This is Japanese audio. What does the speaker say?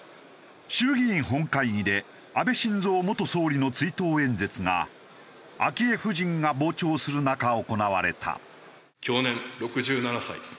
衆議院本会議で安倍晋三元総理の追悼演説が昭恵夫人が傍聴する中行われた。